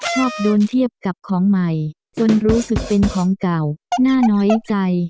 ชอบโดนเทียบกับของใหม่จนรู้สึกเป็นของเก่าน่าน้อยใจ